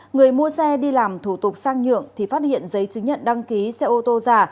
người mua xe đi làm thủ tục sang nhượng thì phát hiện giấy chứng nhận đăng ký xe ô tô giả